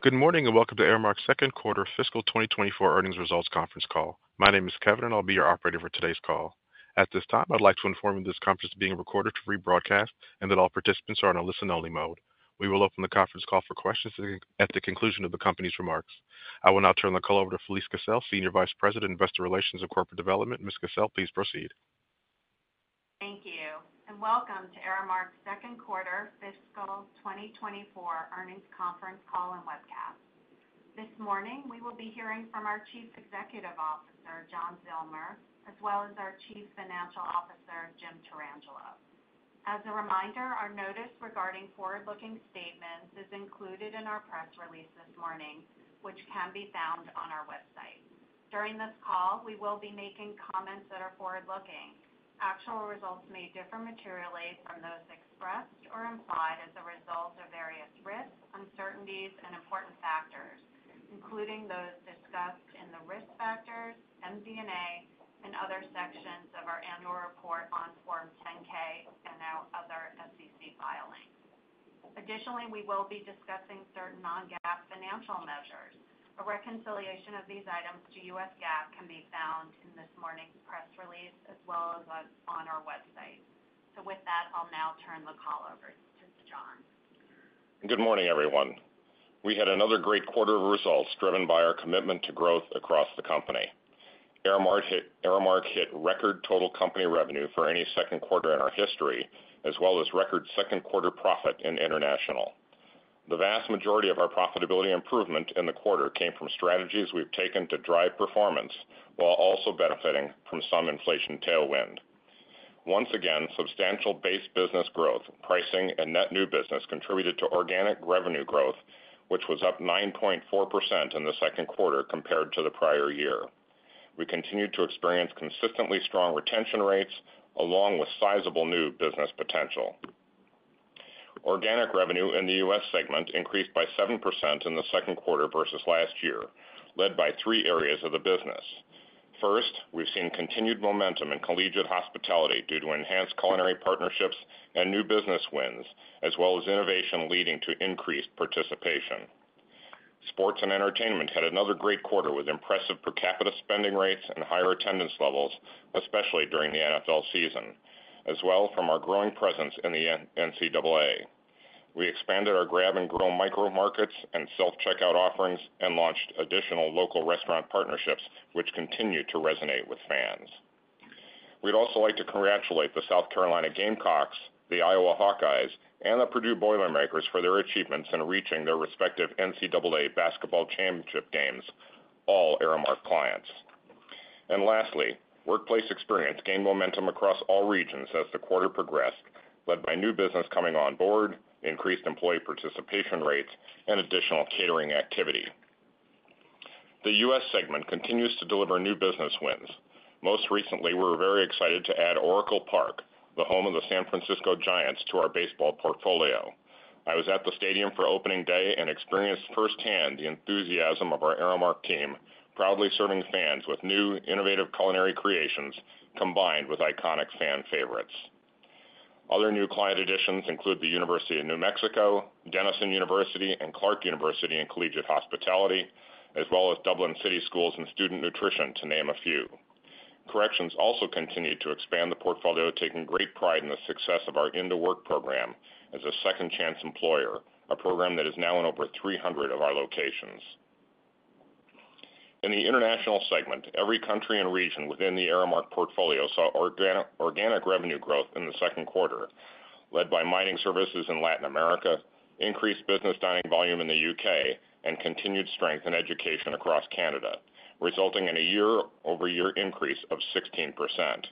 Good morning, and welcome to Aramark's second quarter fiscal 2024 earnings results conference call. My name is Kevin, and I'll be your operator for today's call. At this time, I'd like to inform you this conference is being recorded for rebroadcast and that all participants are in a listen-only mode. We will open the conference call for questions at the conclusion of the company's remarks. I will now turn the call over to Felise Kissell, Senior Vice President, Investor Relations and Corporate Development. Ms. Kissell, please proceed. Thank you, and welcome to Aramark's second quarter fiscal 2024 earnings conference call and webcast. This morning, we will be hearing from our Chief Executive Officer, John Zillmer, as well as our Chief Financial Officer, Jim Tarangelo. As a reminder, our notice regarding forward-looking statements is included in our press release this morning, which can be found on our website. During this call, we will be making comments that are forward-looking. Actual results may differ materially from those expressed or implied as a result of various risks, uncertainties and important factors, including those discussed in the risk factors, MD&A, and other sections of our annual report on Form 10-K and our other SEC filings. Additionally, we will be discussing certain non-GAAP financial measures. A reconciliation of these items to U.S. GAAP can be found in this morning's press release, as well as on our website. With that, I'll now turn the call over to John. Good morning, everyone. We had another great quarter of results, driven by our commitment to growth across the company. Aramark hit, Aramark hit record total company revenue for any second quarter in our history, as well as record second quarter profit in International. The vast majority of our profitability improvement in the quarter came from strategies we've taken to drive performance, while also benefiting from some inflation tailwind. Once again, substantial base business growth, pricing, and net new business contributed to organic revenue growth, which was up 9.4% in the second quarter compared to the prior year. We continued to experience consistently strong retention rates, along with sizable new business potential. Organic revenue in the U.S. segment increased by 7% in the second quarter versus last year, led by three areas of the business. First, we've seen continued momentum in Collegiate Hospitality due to enhanced culinary partnerships and new business wins, as well as innovation leading to increased participation. Sports and Entertainment had another great quarter with impressive per capita spending rates and higher attendance levels, especially during the NFL season, as well from our growing presence in the NCAA. We expanded our Grab and Go micro markets and self-checkout offerings and launched additional local restaurant partnerships, which continue to resonate with fans. We'd also like to congratulate the South Carolina Gamecocks, the Iowa Hawkeyes, and the Purdue Boilermakers for their achievements in reaching their respective NCAA basketball championship games, all Aramark clients. And lastly, Workplace Experience gained momentum across all regions as the quarter progressed, led by new business coming on board, increased employee participation rates, and additional catering activity. The U.S. segment continues to deliver new business wins. Most recently, we were very excited to add Oracle Park, the home of the San Francisco Giants, to our baseball portfolio. I was at the stadium for opening day and experienced firsthand the enthusiasm of our Aramark team, proudly serving fans with new innovative culinary creations, combined with iconic fan favorites. Other new client additions include the University of New Mexico, Denison University, and Clark University in Collegiate Hospitality, as well as Dublin City Schools in Student Nutrition, to name a few. Corrections also continued to expand the portfolio, taking great pride in the success of our IN2WORK program as a second chance employer, a program that is now in over 300 of our locations. In the international segment, every country and region within the Aramark portfolio saw organic revenue growth in the second quarter, led by mining services in Latin America, increased business dining volume in the U.K., and continued strength in education across Canada, resulting in a year-over-year increase of 16%.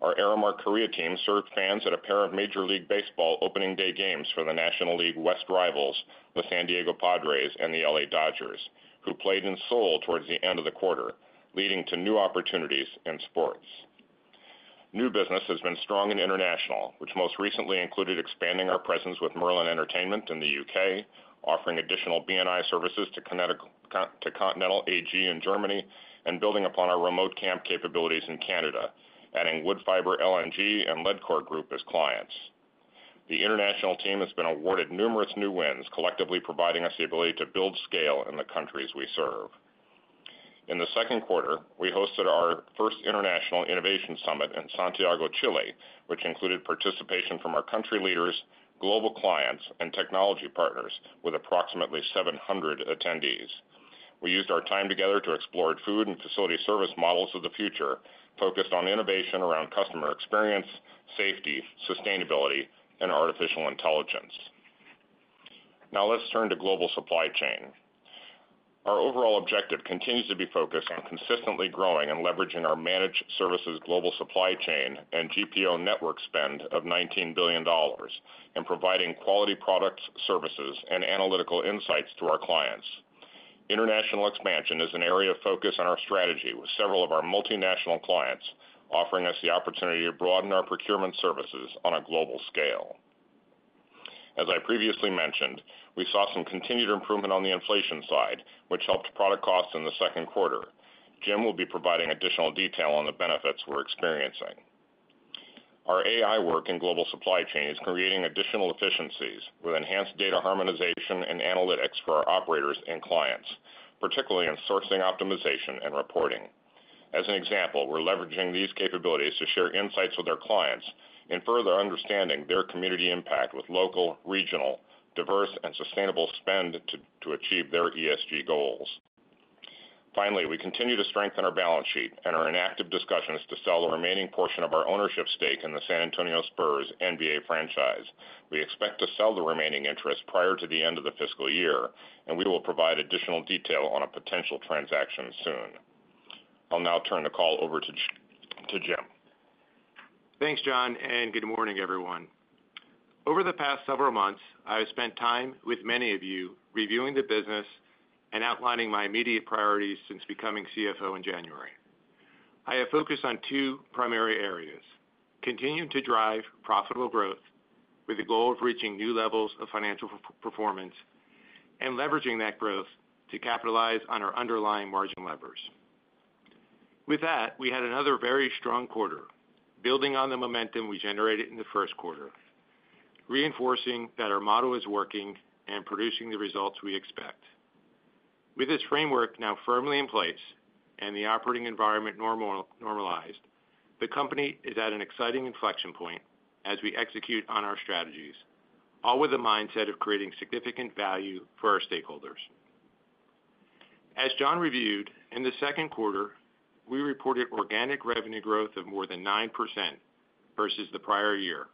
Our Aramark Korea team served fans at a pair of Major League Baseball opening day games for the National League West rivals, the San Diego Padres and the Los Angeles Dodgers, who played in Seoul towards the end of the quarter, leading to new opportunities in sports. New business has been strong in international, which most recently included expanding our presence with Merlin Entertainments in the U.K., offering additional B&I services to Continental AG in Germany, and building upon our remote camp capabilities in Canada, adding Woodfibre LNG and Ledcor Group as clients. The international team has been awarded numerous new wins, collectively providing us the ability to build scale in the countries we serve. In the second quarter, we hosted our first International Innovation Summit in Santiago, Chile, which included participation from our country leaders, global clients, and technology partners with approximately 700 attendees. We used our time together to explore food and facility service models of the future, focused on innovation around customer experience, safety, sustainability, and artificial intelligence. Now let's turn to global supply chain. Our overall objective continues to be focused on consistently growing and leveraging our managed services global supply chain and GPO network spend of $19 billion, and providing quality products, services, and analytical insights to our clients. International expansion is an area of focus on our strategy with several of our multinational clients, offering us the opportunity to broaden our procurement services on a global scale. As I previously mentioned, we saw some continued improvement on the inflation side, which helped product costs in the second quarter. Jim will be providing additional detail on the benefits we're experiencing. Our AI work in global supply chain is creating additional efficiencies with enhanced data harmonization and analytics for our operators and clients, particularly in sourcing optimization and reporting. As an example, we're leveraging these capabilities to share insights with our clients in further understanding their community impact with local, regional, diverse, and sustainable spend to achieve their ESG goals. Finally, we continue to strengthen our balance sheet and are in active discussions to sell the remaining portion of our ownership stake in the San Antonio Spurs NBA franchise. We expect to sell the remaining interest prior to the end of the fiscal year, and we will provide additional detail on a potential transaction soon. I'll now turn the call over to Jim. Thanks, John, and good morning, everyone. Over the past several months, I have spent time with many of you reviewing the business and outlining my immediate priorities since becoming CFO in January. I have focused on two primary areas: continuing to drive profitable growth with the goal of reaching new levels of financial performance, and leveraging that growth to capitalize on our underlying margin levers. With that, we had another very strong quarter, building on the momentum we generated in the first quarter, reinforcing that our model is working and producing the results we expect. With this framework now firmly in place and the operating environment normalized, the company is at an exciting inflection point as we execute on our strategies, all with the mindset of creating significant value for our stakeholders. As John reviewed, in the second quarter, we reported organic revenue growth of more than 9% versus the prior year,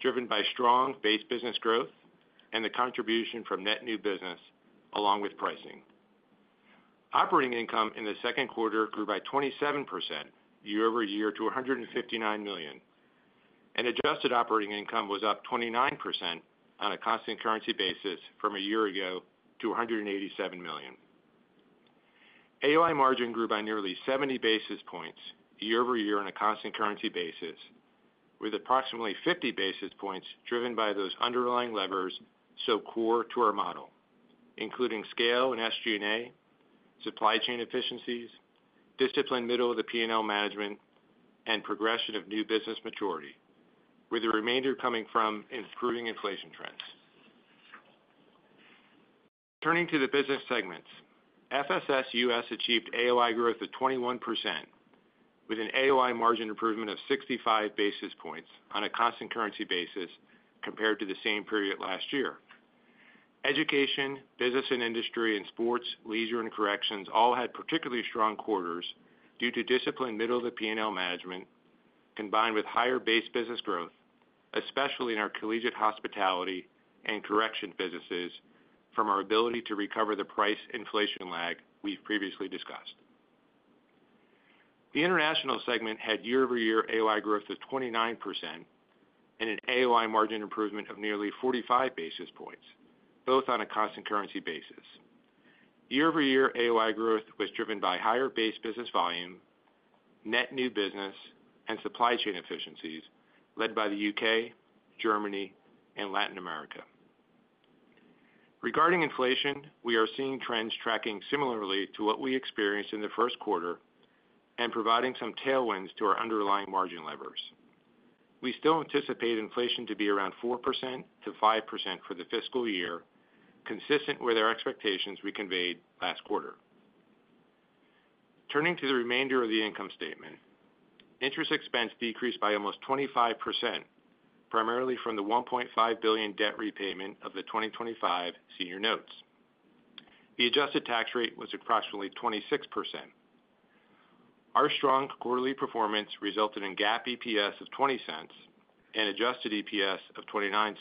driven by strong base business growth and the contribution from net new business, along with pricing. Operating income in the second quarter grew by 27% year-over-year to $159 million, and adjusted operating income was up 29% on a constant currency basis from a year ago to $187 million. AOI margin grew by nearly 70 basis points year-over-year on a constant currency basis, with approximately 50 basis points driven by those underlying levers so core to our model, including scale and SG&A, supply chain efficiencies, disciplined middle-of-the-P&L management, and progression of new business maturity, with the remainder coming from improving inflation trends. Turning to the business segments. FSS US achieved AOI growth of 21%, with an AOI margin improvement of 65 basis points on a constant currency basis compared to the same period last year. Education, Business and Industry, and Sports, Leisure and Corrections all had particularly strong quarters due to disciplined middle-of-the-P&L management, combined with higher base business growth, especially in our collegiate hospitality and correctional businesses, from our ability to recover the price inflation lag we've previously discussed. The international segment had year-over-year AOI growth of 29% and an AOI margin improvement of nearly 45 basis points, both on a constant currency basis. Year-over-year AOI growth was driven by higher base business volume, net new business, and supply chain efficiencies led by the U.K., Germany, and Latin America. Regarding inflation, we are seeing trends tracking similarly to what we experienced in the first quarter and providing some tailwinds to our underlying margin levers. We still anticipate inflation to be around 4%-5% for the fiscal year, consistent with our expectations we conveyed last quarter. Turning to the remainder of the income statement, interest expense decreased by almost 25%, primarily from the $1.5 billion debt repayment of the 2025 senior notes. The adjusted tax rate was approximately 26%. Our strong quarterly performance resulted in GAAP EPS of $0.20 and adjusted EPS of $0.29,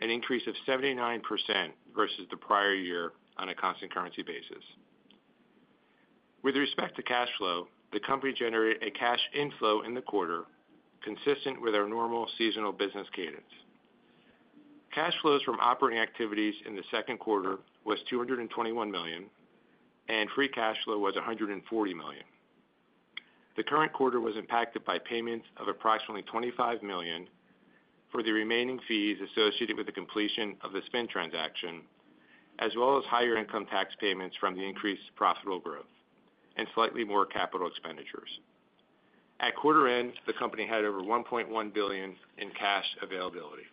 an increase of 79% versus the prior year on a constant currency basis. With respect to cash flow, the company generated a cash inflow in the quarter, consistent with our normal seasonal business cadence. Cash flows from operating activities in the second quarter was $221 million, and free cash flow was $140 million. The current quarter was impacted by payments of approximately $25 million for the remaining fees associated with the completion of the spin transaction, as well as higher income tax payments from the increased profitable growth and slightly more capital expenditures. At quarter end, the company had over $1.1 billion in cash availability.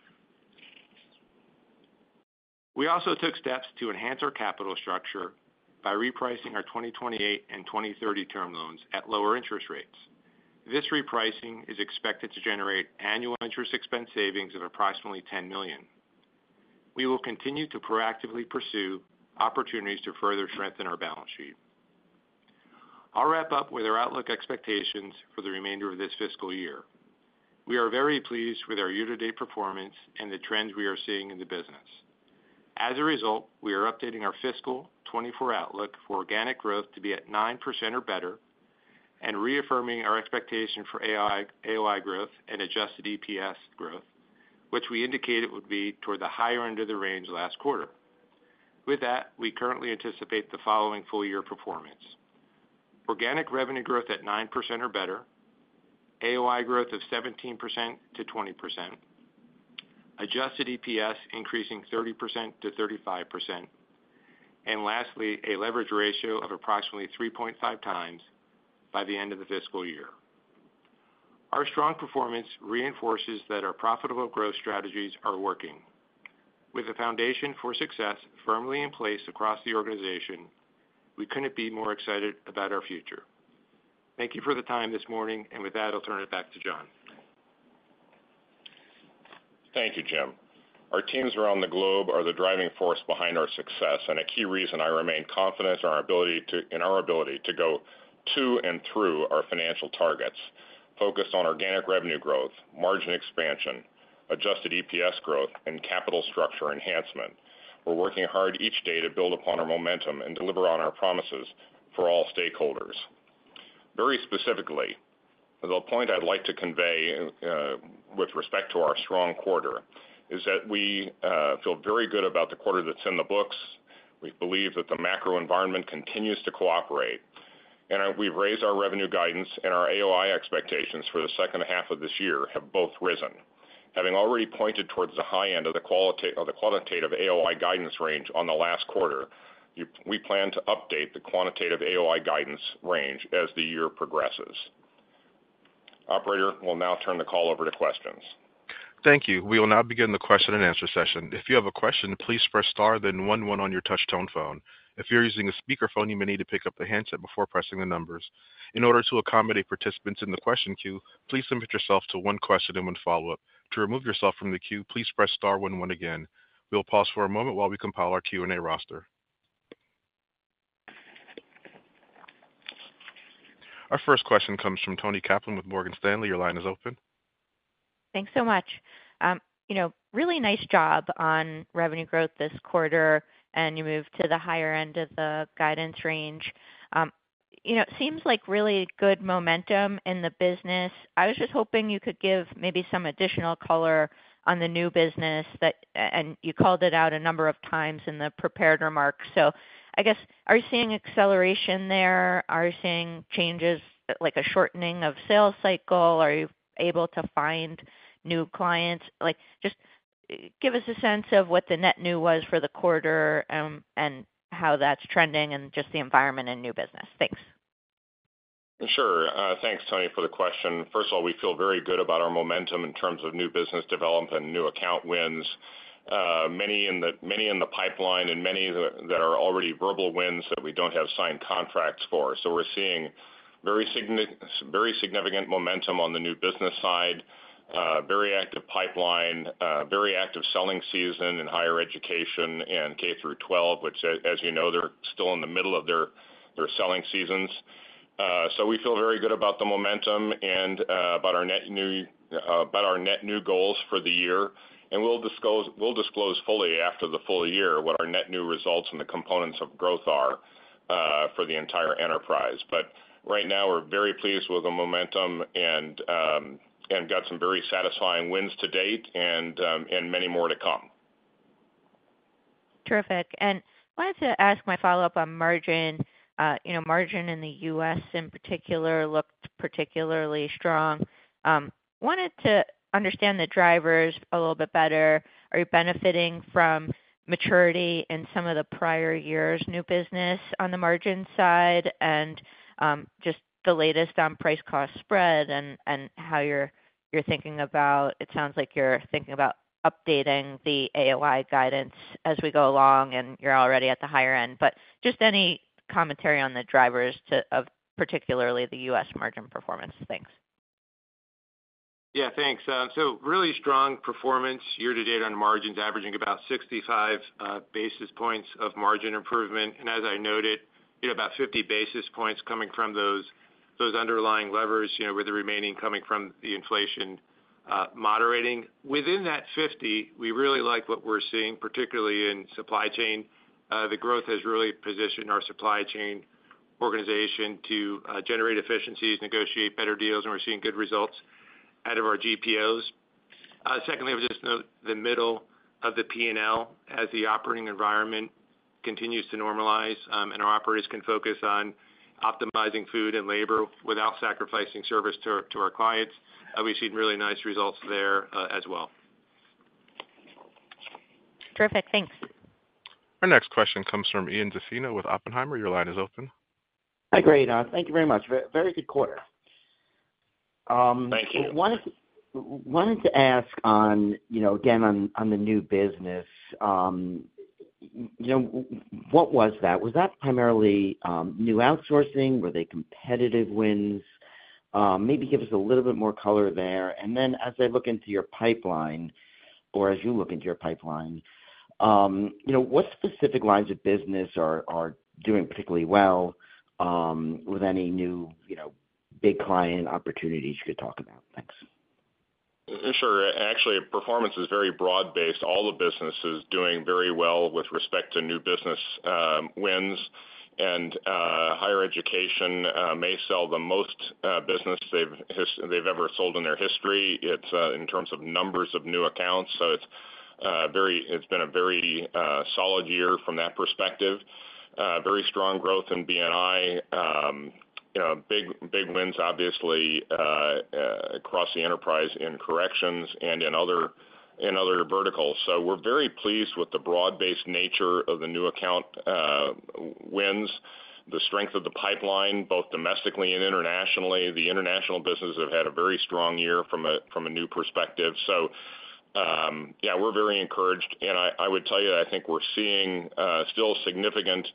We also took steps to enhance our capital structure by repricing our 2028 and 2030 term loans at lower interest rates. This repricing is expected to generate annual interest expense savings of approximately $10 million. We will continue to proactively pursue opportunities to further strengthen our balance sheet. I'll wrap up with our outlook expectations for the remainder of this fiscal year. We are very pleased with our year-to-date performance and the trends we are seeing in the business. As a result, we are updating our fiscal 2024 outlook for organic growth to be at 9% or better, and reaffirming our expectation for AOI growth and adjusted EPS growth, which we indicated would be toward the higher end of the range last quarter. With that, we currently anticipate the following full-year performance: organic revenue growth at 9% or better, AOI growth of 17%-20%, adjusted EPS increasing 30%-35%, and lastly, a leverage ratio of approximately 3.5x by the end of the fiscal year. Our strong performance reinforces that our profitable growth strategies are working. With a foundation for success firmly in place across the organization, we couldn't be more excited about our future. Thank you for the time this morning, and with that, I'll turn it back to John. Thank you, Jim. Our teams around the globe are the driving force behind our success and a key reason I remain confident in our ability to, in our ability to go to and through our financial targets, focused on organic revenue growth, margin expansion, adjusted EPS growth, and capital structure enhancement. We're working hard each day to build upon our momentum and deliver on our promises for all stakeholders. Very specifically, the point I'd like to convey with respect to our strong quarter is that we feel very good about the quarter that's in the books. We believe that the macro environment continues to cooperate, and we've raised our revenue guidance and our AOI expectations for the second half of this year have both risen. Having already pointed towards the high end of the quantitative AOI guidance range on the last quarter, we plan to update the quantitative AOI guidance range as the year progresses. Operator, we'll now turn the call over to questions. Thank you. We will now begin the question and answer session. If you have a question, please press star, then one one on your touch tone phone. If you're using a speakerphone, you may need to pick up the handset before pressing the numbers. In order to accommodate participants in the question queue, please limit yourself to one question and one follow-up. To remove yourself from the queue, please press star one one again. We'll pause for a moment while we compile our Q&A roster. Our first question comes from Toni Kaplan with Morgan Stanley. Your line is open. Thanks so much. You know, really nice job on revenue growth this quarter, and you moved to the higher end of the guidance range. You know, it seems like really good momentum in the business. I was just hoping you could give maybe some additional color on the new business that... And you called it out a number of times in the prepared remarks. So I guess, are you seeing acceleration there? Are you seeing changes, like a shortening of sales cycle? Are you able to find new clients? Like, just give us a sense of what the net new was for the quarter, and how that's trending and just the environment in new business. Thanks. Sure. Thanks, Toni, for the question. First of all, we feel very good about our momentum in terms of new business development, new account wins, many in the pipeline and many that are already verbal wins that we don't have signed contracts for. So we're seeing very significant momentum on the new business side, very active pipeline, very active selling season in higher education and K through 12, which as you know, they're still in the middle of their selling seasons. So we feel very good about the momentum and about our net new goals for the year. And we'll disclose fully after the full year what our net new results and the components of growth are for the entire enterprise. But right now, we're very pleased with the momentum and got some very satisfying wins to date and many more to come. Terrific. I wanted to ask my follow-up on margin. You know, margin in the U.S., in particular, looked particularly strong. Wanted to understand the drivers a little bit better. Are you benefiting from maturity in some of the prior years' new business on the margin side? And just the latest on price cost spread and how you're thinking about... It sounds like you're thinking about updating the AOI guidance as we go along, and you're already at the higher end. But just any commentary on the drivers to, of particularly the U.S. margin performance. Thanks. Yeah, thanks. So really strong performance year to date on margins, averaging about 65 basis points of margin improvement. And as I noted, you know, about 50 basis points coming from those underlying levers, you know, with the remaining coming from the inflation moderating. Within that 50, we really like what we're seeing, particularly in supply chain. The growth has really positioned our supply chain organization to generate efficiencies, negotiate better deals, and we're seeing good results out of our GPOs. Secondly, I would just note the middle of the P&L as the operating environment continues to normalize, and our operators can focus on optimizing food and labor without sacrificing service to our clients. We've seen really nice results there, as well. Terrific. Thanks. Our next question comes from Ian Zaffino with Oppenheimer. Your line is open. Hi, great. Thank you very much. Very good quarter. Thank you. Wanted to ask on, you know, again, on, on the new business. You know, what was that? Was that primarily new outsourcing? Were they competitive wins? Maybe give us a little bit more color there. And then as I look into your pipeline, or as you look into your pipeline, you know, what specific lines of business are doing particularly well, with any new, you know, big client opportunities you could talk about? Thanks. Sure. Actually, performance is very broad-based. All the business is doing very well with respect to new business wins and higher education has sold the most business they've ever sold in their history. It's in terms of numbers of new accounts, so it's very, it's been a very solid year from that perspective. Very strong growth in B&I. You know, big, big wins, obviously, across the enterprise in corrections and in other verticals. So we're very pleased with the broad-based nature of the new account wins, the strength of the pipeline, both domestically and internationally. The international business have had a very strong year from a new perspective. So, yeah, we're very encouraged, and I, I would tell you, I think we're seeing still significant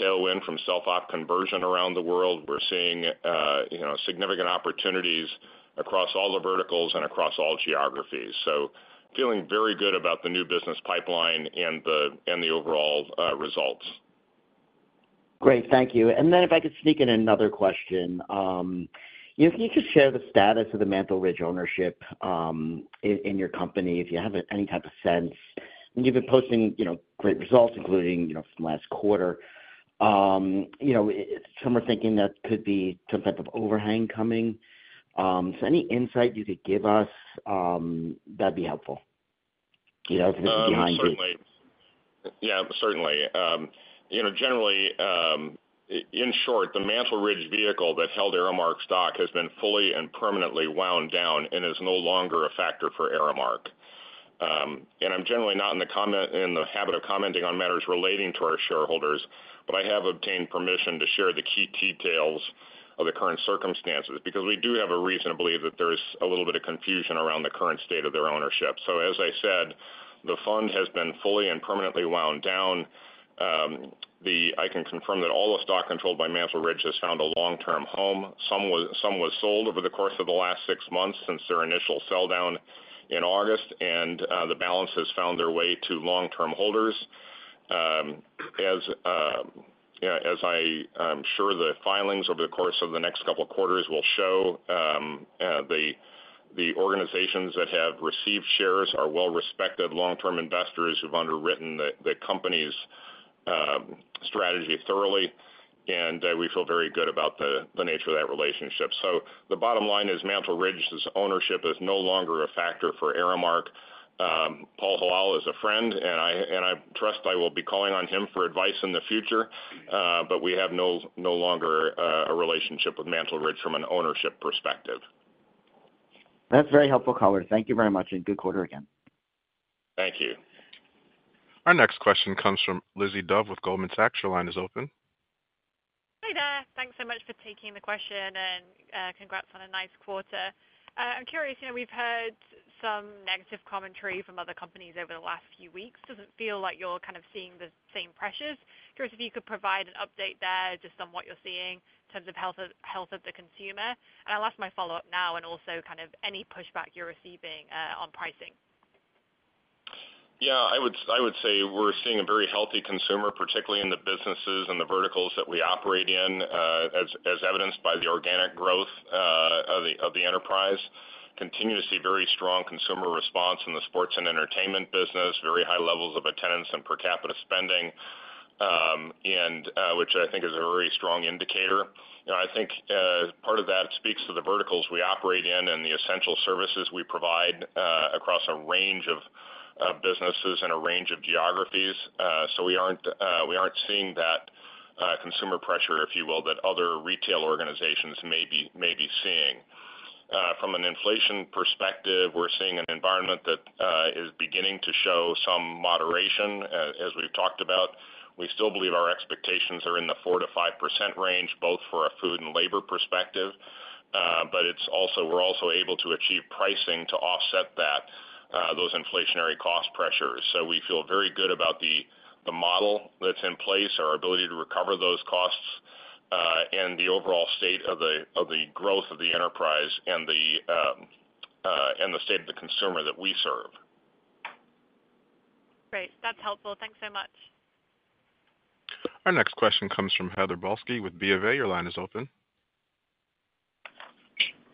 tailwind from self-op conversion around the world. We're seeing you know, significant opportunities across all the verticals and across all geographies. So feeling very good about the new business pipeline and the, and the overall results. Great, thank you. And then if I could sneak in another question. If you could share the status of the Mantle Ridge ownership in your company, if you have any type of sense, and you've been posting, you know, great results, including, you know, from last quarter. You know, some are thinking that could be some type of overhang coming. So any insight you could give us, that'd be helpful. You know, behind you. Certainly. Yeah, certainly. You know, generally, in short, the Mantle Ridge vehicle that held Aramark stock has been fully and permanently wound down and is no longer a factor for Aramark. And I'm generally not in the habit of commenting on matters relating to our shareholders, but I have obtained permission to share the key details of the current circumstances, because we do have a reason to believe that there's a little bit of confusion around the current state of their ownership. So as I said, the fund has been fully and permanently wound down. I can confirm that all the stock controlled by Mantle Ridge has found a long-term home. Some was sold over the course of the last six months since their initial sell-down in August, and the balance has found their way to long-term holders. As you know, as I am sure the filings over the course of the next couple of quarters will show, the organizations that have received shares are well-respected, long-term investors who've underwritten the company's strategy thoroughly, and we feel very good about the nature of that relationship. So the bottom line is, Mantle Ridge's ownership is no longer a factor for Aramark. Paul Hilal is a friend, and I trust I will be calling on him for advice in the future, but we have no longer a relationship with Mantle Ridge from an ownership perspective. That's very helpful, color. Thank you very much, and good quarter again. Thank you. Our next question comes from Lizzie Dove with Goldman Sachs. Your line is open. Hi there. Thanks so much for taking the question, and, congrats on a nice quarter. I'm curious, you know, we've heard some negative commentary from other companies over the last few weeks. Does it feel like you're kind of seeing the same pressures? Curious if you could provide an update there just on what you're seeing in terms of health of, health of the consumer. And I'll ask my follow-up now, and also kind of any pushback you're receiving, on pricing. Yeah, I would say we're seeing a very healthy consumer, particularly in the businesses and the verticals that we operate in, as evidenced by the organic growth of the enterprise. Continue to see very strong consumer response in the Sports and Entertainment business, very high levels of attendance and per capita spending, and which I think is a very strong indicator. You know, I think part of that speaks to the verticals we operate in and the essential services we provide across a range of businesses and a range of geographies. So we aren't seeing that consumer pressure, if you will, that other retail organizations may be seeing. From an inflation perspective, we're seeing an environment that is beginning to show some moderation. As we've talked about, we still believe our expectations are in the 4%-5% range, both for a food and labor perspective, but we're also able to achieve pricing to offset that, those inflationary cost pressures. So we feel very good about the, the model that's in place, our ability to recover those costs, and the overall state of the, of the growth of the enterprise and the, and the state of the consumer that we serve. Great. That's helpful. Thanks so much. Our next question comes from Heather Balsky with BofA. Your line is open.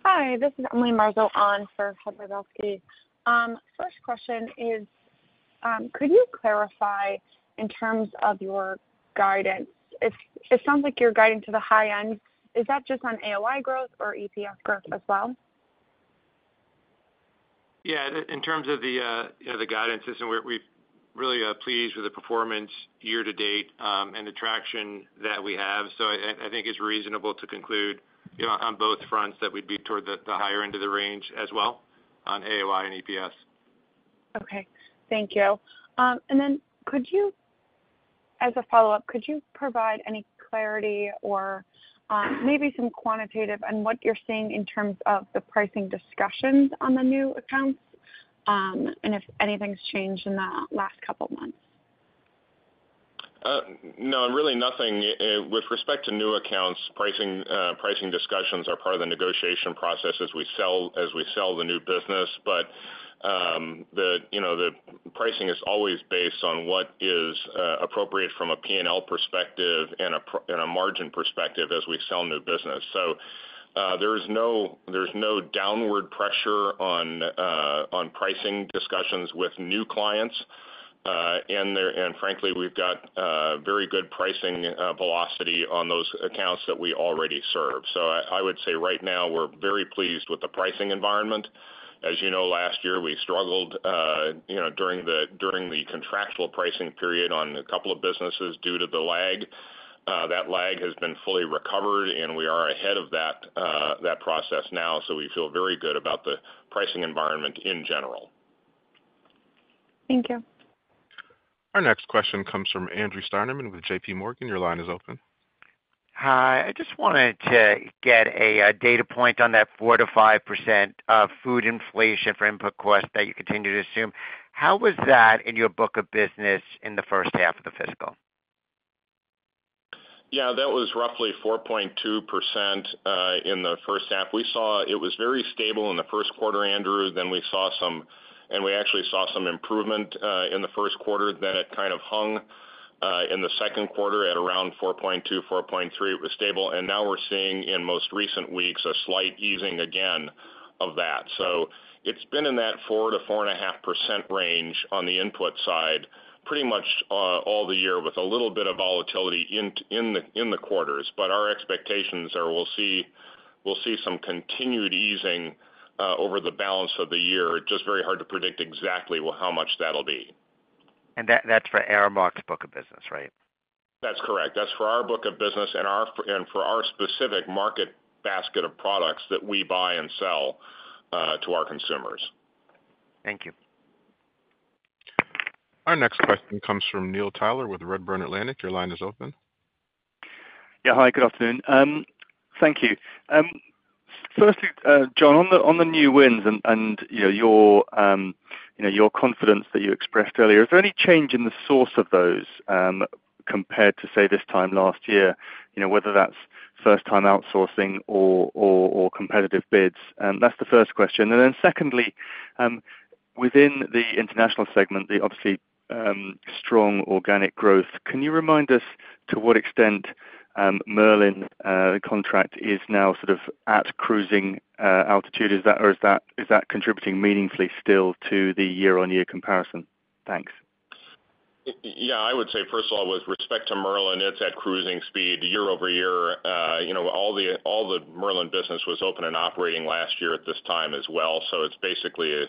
Hi, this is Emily Marzo on for Heather Balsky. First question is, could you clarify, in terms of your guidance, it, it sounds like you're guiding to the high end. Is that just on AOI growth or EPS growth as well? Yeah, in terms of the, you know, the guidance, listen, we're really pleased with the performance year to date, and the traction that we have. So I think it's reasonable to conclude, you know, on both fronts, that we'd be toward the higher end of the range as well on AOI and EPS. Okay. Thank you. And then could you, as a follow-up, could you provide any clarity or, maybe some quantitative on what you're seeing in terms of the pricing discussions on the new accounts, and if anything's changed in the last couple of months? No, really nothing. With respect to new accounts, pricing discussions are part of the negotiation process as we sell the new business. But, you know, the pricing is always based on what is appropriate from a P&L perspective and a margin perspective as we sell new business. So, there is no downward pressure on pricing discussions with new clients... and frankly, we've got very good pricing velocity on those accounts that we already serve. So I would say right now, we're very pleased with the pricing environment. As you know, last year, we struggled, you know, during the contractual pricing period on a couple of businesses due to the lag. That lag has been fully recovered, and we are ahead of that, that process now. So we feel very good about the pricing environment in general. Thank you. Our next question comes from Andrew Steinerman with JP Morgan. Your line is open. Hi, I just wanted to get a data point on that 4%-5% food inflation for input costs that you continue to assume. How was that in your book of business in the first half of the fiscal? Yeah, that was roughly 4.2% in the first half. We saw it was very stable in the first quarter, Andrew, then we saw some-- and we actually saw some improvement in the first quarter. Then it kind of hung in the second quarter at around 4.2, 4.3. It was stable, and now we're seeing in most recent weeks, a slight easing again of that. So it's been in that 4%-4.5% range on the input side, pretty much all the year with a little bit of volatility in the quarters. But our expectations are we'll see, we'll see some continued easing over the balance of the year. Just very hard to predict exactly well, how much that'll be. That, that's for Aramark's book of business, right? That's correct. That's for our book of business and our specific market basket of products that we buy and sell to our consumers. Thank you. Our next question comes from Neil Tyler with Redburn Atlantic. Your line is open. Yeah. Hi, good afternoon. Thank you. Firstly, John, on the new wins and, you know, your confidence that you expressed earlier, is there any change in the source of those compared to, say, this time last year? You know, whether that's first-time outsourcing or competitive bids? That's the first question. And then secondly, within the international segment, the obviously strong organic growth, can you remind us to what extent Merlin contract is now sort of at cruising altitude? Is that or is that-- is that contributing meaningfully still to the year-on-year comparison? Thanks. Yeah, I would say, first of all, with respect to Merlin, it's at cruising speed year-over-year. You know, all the Merlin business was open and operating last year at this time as well. So it's basically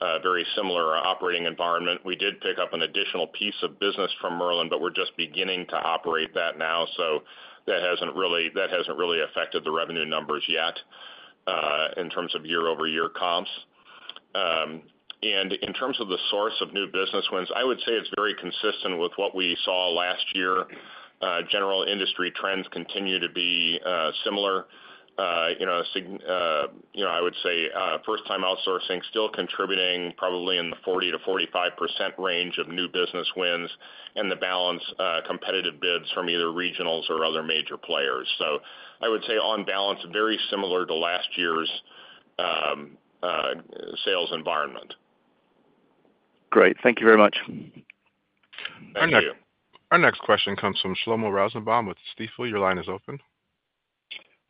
a very similar operating environment. We did pick up an additional piece of business from Merlin, but we're just beginning to operate that now, so that hasn't really affected the revenue numbers yet, in terms of year-over-year comps. And in terms of the source of new business wins, I would say it's very consistent with what we saw last year. General industry trends continue to be similar. You know, I would say first time outsourcing still contributing probably in the 40%-45% range of new business wins and the balance competitive bids from either regionals or other major players. So I would say on balance, very similar to last year's sales environment. Great. Thank you very much. Thank you. Our next question comes from Shlomo Rosenbaum with Stifel. Your line is open.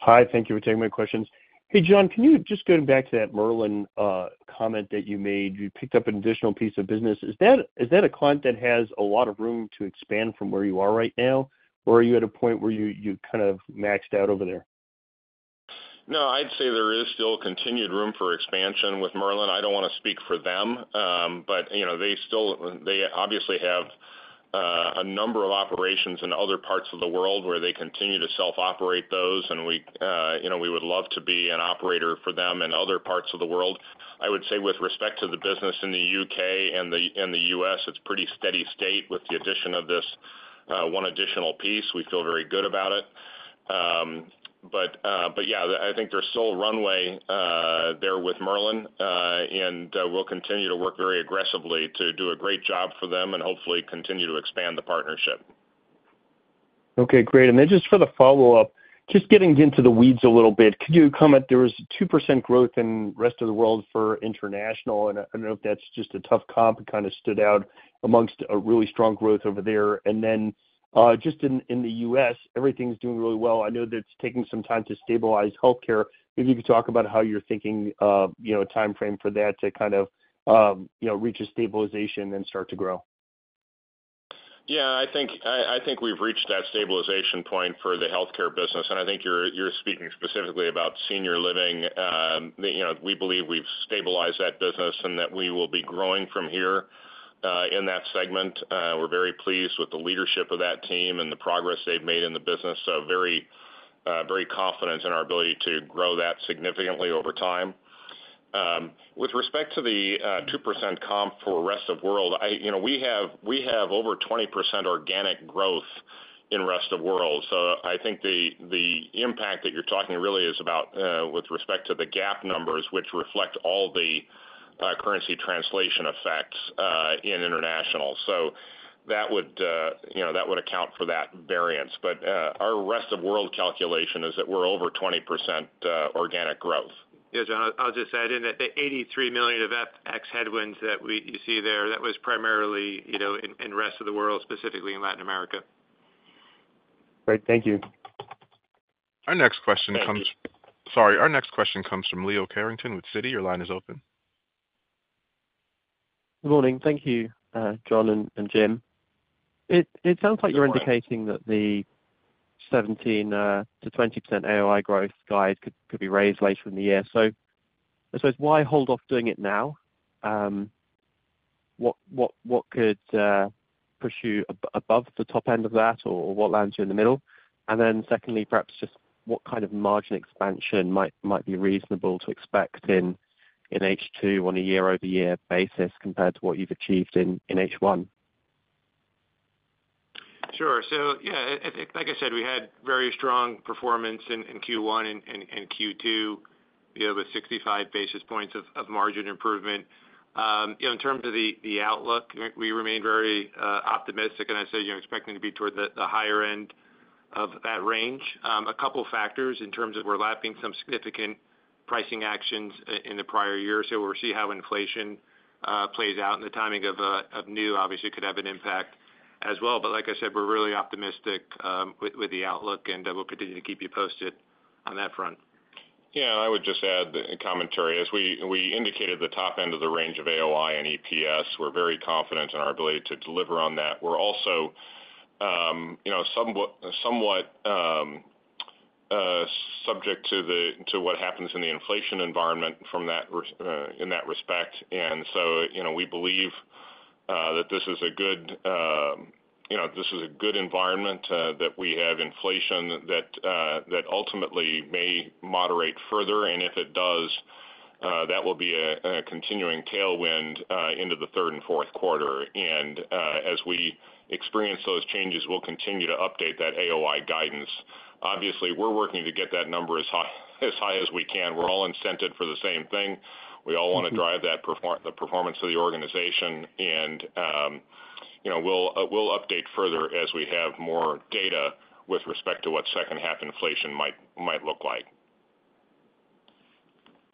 Hi, thank you for taking my questions. Hey, John, can you just going back to that Merlin comment that you made, you picked up an additional piece of business. Is that, is that a client that has a lot of room to expand from where you are right now? Or are you at a point where you, you kind of maxed out over there? No, I'd say there is still continued room for expansion with Merlin. I don't wanna speak for them, but, you know, they still they obviously have a number of operations in other parts of the world where they continue to self-operate those, and we, you know, we would love to be an operator for them in other parts of the world. I would say with respect to the business in the U.K. and the, and the U.S., it's pretty steady state with the addition of this one additional piece. We feel very good about it. But yeah, I think there's still runway there with Merlin, and we'll continue to work very aggressively to do a great job for them and hopefully continue to expand the partnership. Okay, great. And then just for the follow-up, just getting into the weeds a little bit, could you comment there was 2% growth in rest of the world for international, and I don't know if that's just a tough comp, it kind of stood out amongst a really strong growth over there. And then, just in, in the U.S., everything's doing really well. I know that it's taking some time to stabilize healthcare. Maybe you could talk about how you're thinking, you know, a timeframe for that to kind of, you know, reach a stabilization then start to grow. Yeah, I think we've reached that stabilization point for the healthcare business, and I think you're speaking specifically about senior living. You know, we believe we've stabilized that business and that we will be growing from here in that segment. We're very pleased with the leadership of that team and the progress they've made in the business. So very confident in our ability to grow that significantly over time. With respect to the 2% comp for rest of world, You know, we have over 20% organic growth in rest of world. So I think the impact that you're talking really is about with respect to the GAAP numbers, which reflect all the currency translation effects in international. So that would, you know, that would account for that variance. But, our rest of world calculation is that we're over 20% organic growth. Yeah, John, I, I'll just add in that the $83 million of FX headwinds that we-- you see there, that was primarily, you know, in, in rest of the world, specifically in Latin America.... Great. Thank you. Our next question comes- Sorry, our next question comes from Leo Carrington with Citi. Your line is open. Good morning. Thank you, John and Jim. It sounds like you're indicating that the 17%-20% AOI growth guide could be raised later in the year. So I suppose why hold off doing it now? What could push you above the top end of that, or what lands you in the middle? And then secondly, perhaps just what kind of margin expansion might be reasonable to expect in H2 on a year-over-year basis compared to what you've achieved in H1? Sure. So yeah, like I said, we had very strong performance in Q1 and Q2, you know, with 65 basis points of margin improvement. You know, in terms of the outlook, we remain very optimistic, and I'd say, you know, expecting to be toward the higher end of that range. A couple factors in terms of we're lapping some significant pricing actions in the prior year, so we'll see how inflation plays out and the timing of new obviously could have an impact as well. But like I said, we're really optimistic with the outlook, and we'll continue to keep you posted on that front. Yeah, I would just add the commentary. As we indicated the top end of the range of AOI and EPS, we're very confident in our ability to deliver on that. We're also, you know, somewhat subject to the—to what happens in the inflation environment from that in that respect. And so, you know, we believe that this is a good, you know, this is a good environment that we have inflation that ultimately may moderate further, and if it does, that will be a continuing tailwind into the third and fourth quarter. And as we experience those changes, we'll continue to update that AOI guidance. Obviously, we're working to get that number as high as we can. We're all incented for the same thing. We all want to drive that performance of the organization, and, you know, we'll update further as we have more data with respect to what second half inflation might look like.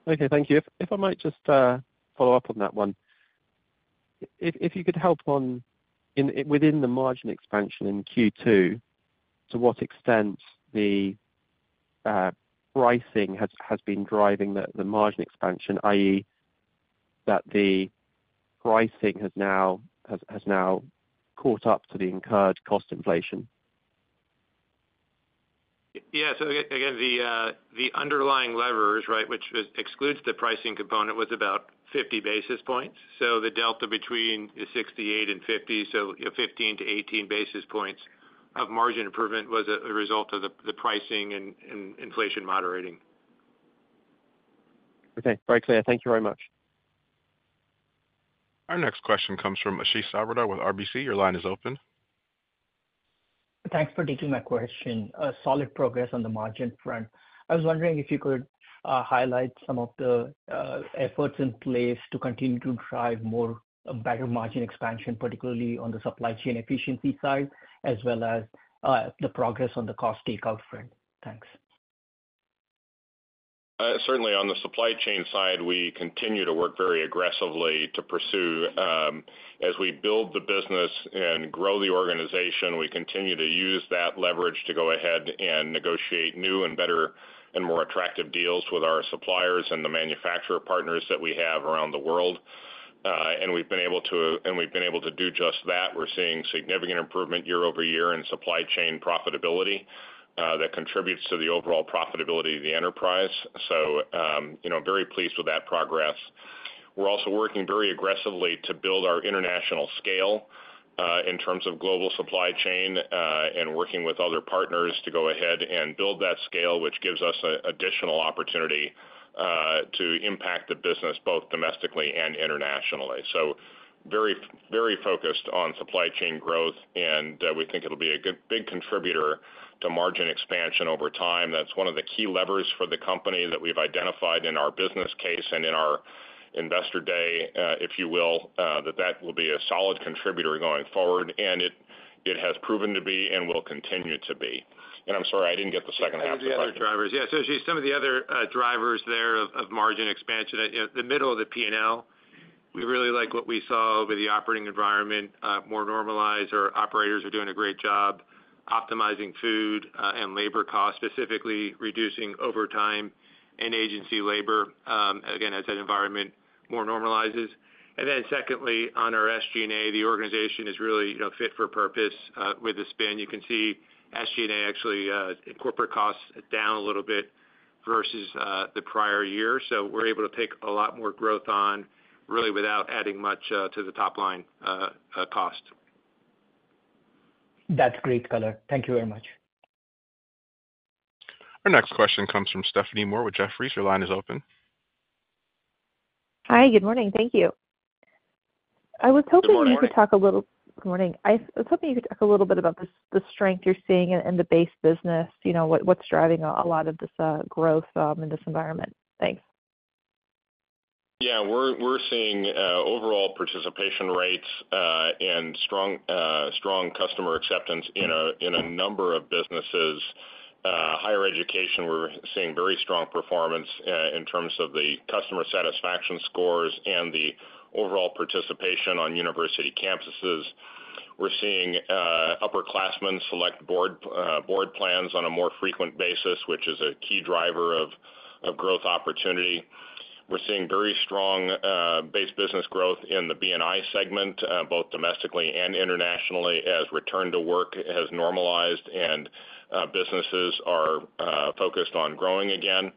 Okay, thank you. If, if I might just, follow up on that one. If, if you could help on in, within the margin expansion in Q2, to what extent the, pricing has, has been driving the, the margin expansion, i.e., that the pricing has now, has, has now caught up to the incurred cost inflation? Yeah, so again, the underlying levers, right, which excludes the pricing component, was about 50 basis points. So the delta between is 68 and 50, so 15 to 18 basis points of margin improvement was a result of the pricing and inflation moderating. Okay, very clear. Thank you very much. Our next question comes from Ashish Sabadra with RBC. Your line is open. Thanks for taking my question. A solid progress on the margin front. I was wondering if you could highlight some of the efforts in place to continue to drive more, better margin expansion, particularly on the supply chain efficiency side, as well as the progress on the cost takeout front? Thanks. Certainly on the supply chain side, we continue to work very aggressively to pursue. As we build the business and grow the organization, we continue to use that leverage to go ahead and negotiate new and better and more attractive deals with our suppliers and the manufacturer partners that we have around the world. And we've been able to do just that. We're seeing significant improvement year-over-year in supply chain profitability that contributes to the overall profitability of the enterprise. So, you know, very pleased with that progress. We're also working very aggressively to build our international scale in terms of global supply chain and working with other partners to go ahead and build that scale, which gives us an additional opportunity to impact the business both domestically and internationally. So very, very focused on supply chain growth, and, we think it'll be a good big contributor to margin expansion over time. That's one of the key levers for the company that we've identified in our business case and in our investor day, if you will, that that will be a solid contributor going forward, and it, it has proven to be and will continue to be. I'm sorry, I didn't get the second half of the question. Some of the other drivers. Yeah, so some of the other drivers there of margin expansion, the middle of the P&L, we really like what we saw with the operating environment more normalized. Our operators are doing a great job optimizing food and labor costs, specifically reducing overtime and agency labor, again, as that environment more normalizes. And then secondly, on our SG&A, the organization is really, you know, fit for purpose with the spin. You can see SG&A actually corporate costs down a little bit versus the prior year. So we're able to take a lot more growth on really without adding much to the top line cost. That's great color. Thank you very much. Our next question comes from Stephanie Moore with Jefferies. Your line is open. Hi, good morning. Thank you. Good morning. Good morning. I was hoping you could talk a little bit about the strength you're seeing in the base business. You know, what's driving a lot of this growth in this environment? Thanks. Yeah, we're seeing overall participation rates and strong customer acceptance in a number of businesses. Higher education, we're seeing very strong performance in terms of the customer satisfaction scores and the overall participation on university campuses. We're seeing upperclassmen select board plans on a more frequent basis, which is a key driver of growth opportunity. We're seeing very strong base business growth in the B&I segment both domestically and internationally, as return to work has normalized and businesses are focused on growing again.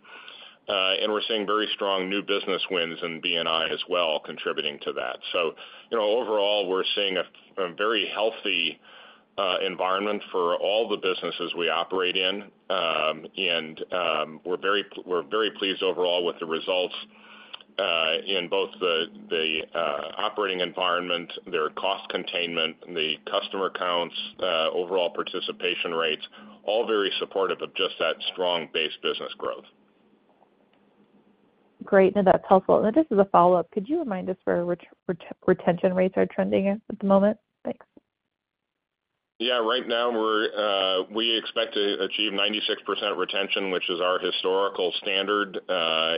And we're seeing very strong new business wins in B&I as well, contributing to that. So you know, overall, we're seeing a very healthy environment for all the businesses we operate in. We're very pleased overall with the results in both the operating environment, their cost containment, the customer counts, overall participation rates, all very supportive of just that strong base business growth. Great, and that's helpful. Just as a follow-up, could you remind us where retention rates are trending at the moment? Thanks. Yeah. Right now we expect to achieve 96% retention, which is our historical standard. We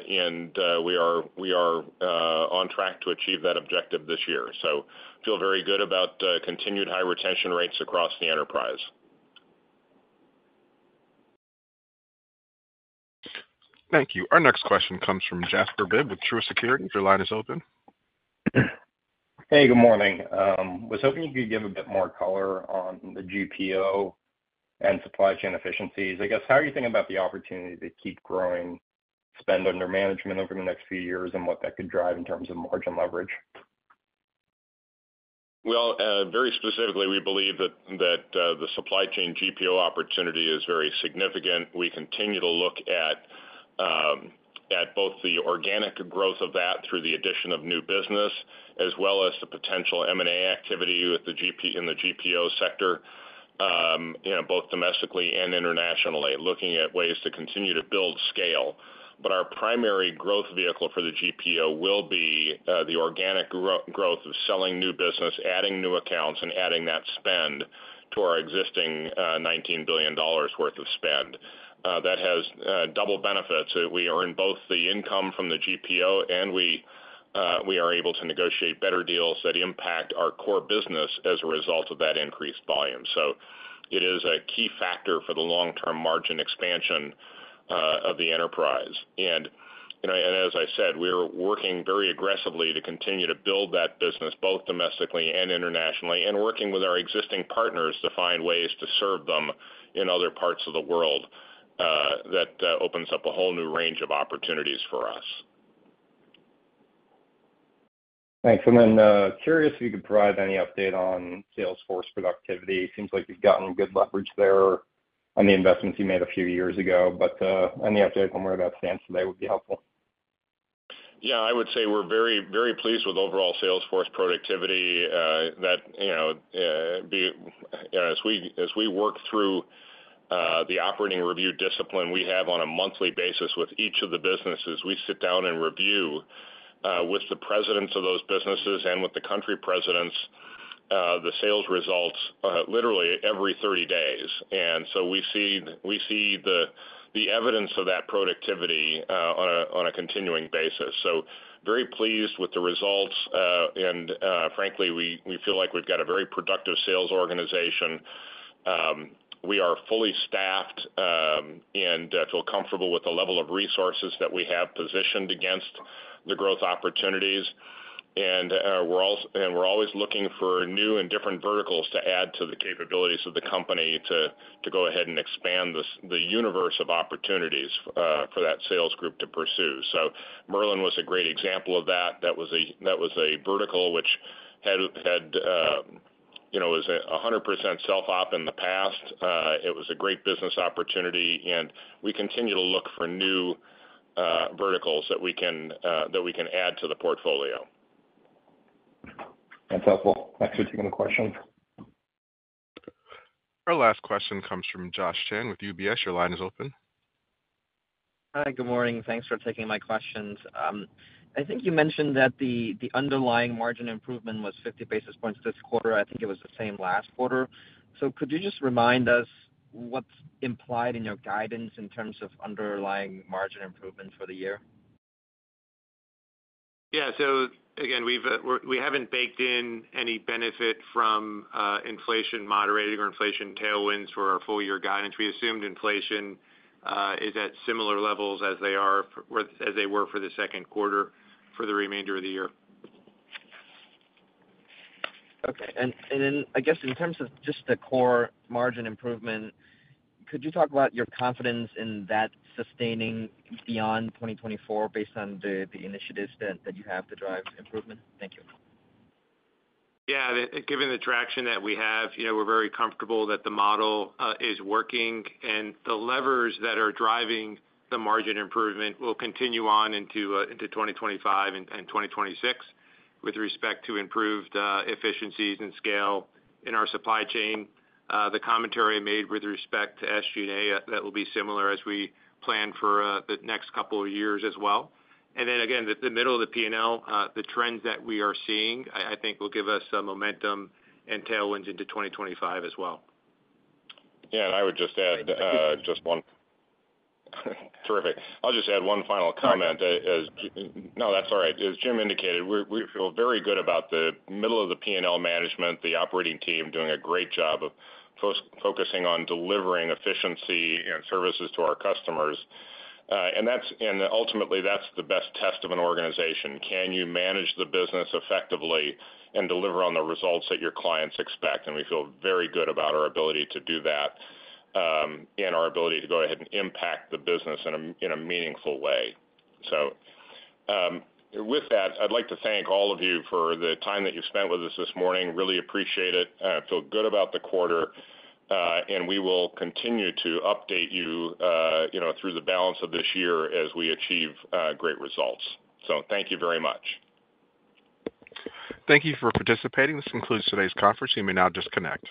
are on track to achieve that objective this year. So feel very good about continued high retention rates across the enterprise. Thank you. Our next question comes from Jasper Bibb with Truist Securities. Your line is open. Hey, good morning. Was hoping you could give a bit more color on the GPO and supply chain efficiencies. I guess, how are you thinking about the opportunity to keep growing, spend under management over the next few years, and what that could drive in terms of margin leverage? Well, very specifically, we believe that, that, the supply chain GPO opportunity is very significant. We continue to look at, at both the organic growth of that through the addition of new business, as well as the potential M&A activity with the GPO in the GPO sector, you know, both domestically and internationally, looking at ways to continue to build scale. But our primary growth vehicle for the GPO will be, the organic growth of selling new business, adding new accounts, and adding that spend to our existing, $19 billion worth of spend. That has, double benefits. We earn both the income from the GPO, and we, we are able to negotiate better deals that impact our core business as a result of that increased volume. So it is a key factor for the long-term margin expansion of the enterprise. And, you know, and as I said, we're working very aggressively to continue to build that business, both domestically and internationally, and working with our existing partners to find ways to serve them in other parts of the world, that opens up a whole new range of opportunities for us. Thanks. And then, curious if you could provide any update on sales force productivity. Seems like you've gotten good leverage there on the investments you made a few years ago, but, any update on where that stands today would be helpful. Yeah, I would say we're very, very pleased with overall sales force productivity. That, you know, as we work through the operating review discipline we have on a monthly basis with each of the businesses, we sit down and review with the presidents of those businesses and with the country presidents the sales results literally every 30 days. And so we see the evidence of that productivity on a continuing basis. So very pleased with the results. And frankly, we feel like we've got a very productive sales organization. We are fully staffed and feel comfortable with the level of resources that we have positioned against the growth opportunities. And, we're always looking for new and different verticals to add to the capabilities of the company, to go ahead and expand the universe of opportunities for that sales group to pursue. So Merlin was a great example of that. That was a vertical which had, you know, was 100% self-op in the past. It was a great business opportunity, and we continue to look for new verticals that we can add to the portfolio. That's helpful. Thanks for taking the question. Our last question comes from Josh Chan with UBS. Your line is open. Hi, good morning. Thanks for taking my questions. I think you mentioned that the underlying margin improvement was 50 basis points this quarter. I think it was the same last quarter. So could you just remind us what's implied in your guidance in terms of underlying margin improvement for the year? Yeah. So again, we haven't baked in any benefit from inflation moderating or inflation tailwinds for our full year guidance. We assumed inflation is at similar levels as they were for the second quarter for the remainder of the year. Okay. And then I guess in terms of just the core margin improvement, could you talk about your confidence in that sustaining beyond 2024, based on the initiatives that you have to drive improvement? Thank you. Yeah, given the traction that we have, you know, we're very comfortable that the model is working, and the levers that are driving the margin improvement will continue on into 2025 and 2026, with respect to improved efficiencies and scale in our supply chain. The commentary made with respect to SG&A, that will be similar as we plan for the next couple of years as well. And then again, the middle of the P&L, the trends that we are seeing, I, I think will give us some momentum and tailwinds into 2025 as well. Yeah, and I would just add. Terrific. I'll just add one final comment. No, that's all right. As Jim indicated, we feel very good about the middle of the P&L management, the operating team doing a great job of focusing on delivering efficiency and services to our customers. And that's, and ultimately, that's the best test of an organization: Can you manage the business effectively and deliver on the results that your clients expect? And we feel very good about our ability to do that, and our ability to go ahead and impact the business in a meaningful way. So, with that, I'd like to thank all of you for the time that you've spent with us this morning. Really appreciate it. Feel good about the quarter, and we will continue to update you, you know, through the balance of this year as we achieve great results. So thank you very much. Thank you for participating. This concludes today's conference. You may now disconnect.